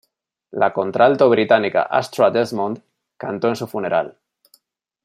La contralto británica "Astra Desmond" cantó en su funeral.